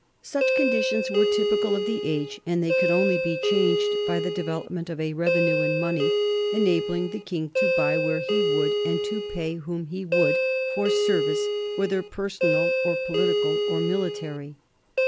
Such conditions were typical of the age, and they could only be changed by the development of a revenue in money, enabling the king to buy where he would and to pay whom he would for service, whether personal or political or military.